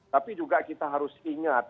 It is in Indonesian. tapi juga kita harus ingat